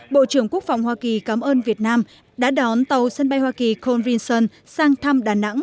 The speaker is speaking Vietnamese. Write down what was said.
bộ trưởng quốc phòng hoa kỳ cảm ơn việt nam đã đón tàu sân bay hoa kỳ con rinson sang thăm đà nẵng